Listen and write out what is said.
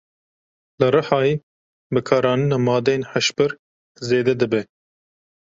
Li Rihayê bikaranîna madeyên hişbir zêde dibe.